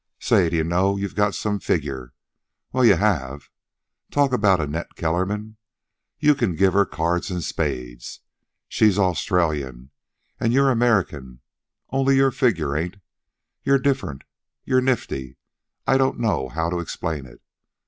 "Say, d'ye know you've got some figure? Well, you have. Talk about Annette Kellerman. You can give her cards and spades. She's Australian, an' you're American, only your figure ain't. You're different. You're nifty I don't know how to explain it.